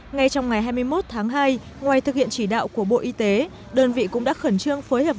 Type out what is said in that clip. ngay trong ngày hai mươi một tháng hai ngoài thực hiện chỉ đạo của bộ y tế đơn vị cũng đã khẩn trương phối hợp